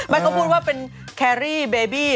เขาพูดว่าเป็นแครรี่เบบี้